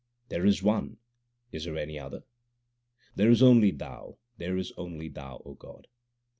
There is One : is there any other ? There is only Thou, there is only Thou, O God